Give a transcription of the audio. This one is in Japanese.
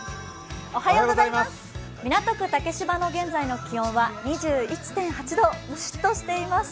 港区・竹芝の現在の気温は２１．８度、ムシッとしています。